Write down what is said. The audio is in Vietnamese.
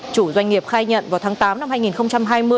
chủ doanh nghiệp khai nhận vào tháng tám năm hai nghìn hai mươi